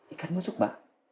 ikan busuk mbak